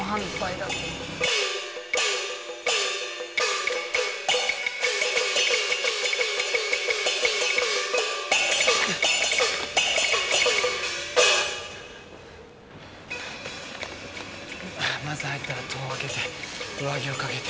まず入ったら戸を開けて上着を掛けてベルト外して。